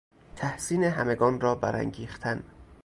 تحسین همگان را برانگیختن